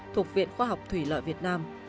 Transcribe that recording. thuộc viện khoa học thủy lợi việt nam